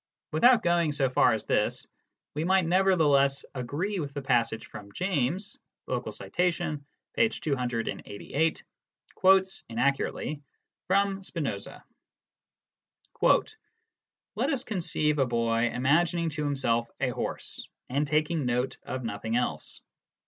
Without going so far as this, we might nevertheless agree with the passage which James (loc. cit., p. 288) quotes (inaccurately) from Spinoza :" Let us conceive a boy imagining to himself a horse, and taking note of nothing else.